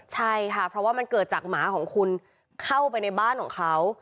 ใช่ค่ะเพราะว่ามันเกิดจากหมาของคุณเข้าไปในบ้านของเขา